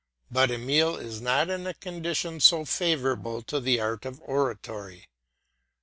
But Emile is not in a condition so favourable to the art of oratory.